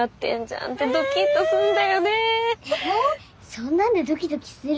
そんなんでドキドキする？